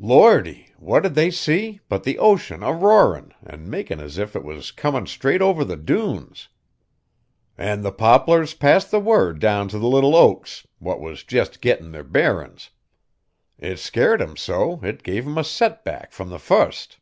Lordy! what did they see but the ocean a roarin' an' makin' as if it was comin' straight over the dunes! An' the poplars passed the word down t' the little oaks, what was jest gettin' their bearin's. It scared 'em so it gave 'em a setback from the fust.